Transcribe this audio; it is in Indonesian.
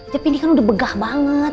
tapi ini kan udah begah banget